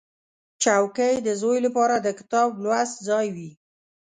چوکۍ د زوی لپاره د کتاب لوست ځای وي.